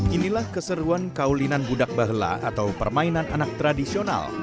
inilah keseruan kaulinan budak bahla atau permainan anak tradisional